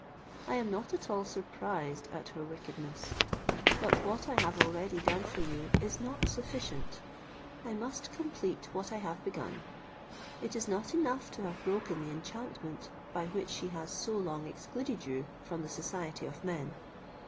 I am not at all surprised at her wickedness: but what I have already done for you is not sufficient; I must complete what I have begun. It is not enough to have broken the enchantment by which she has so long excluded you from the society of men.